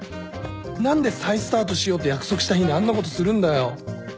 何で再スタートしようって約束した日にあんなことするんだよ？